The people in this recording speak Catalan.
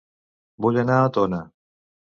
Vull anar a Tona